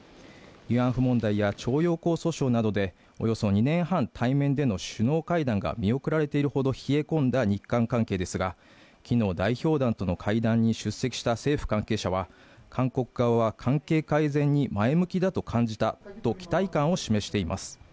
慰安婦問題や徴用工訴訟などでおよそ２年半対面での首脳会談が見送られているほど冷え込んだ日韓関係ですが昨日代表団との会談に出席した政府関係者は韓国側は関係改善に前向きだと感じたと期待感を示しています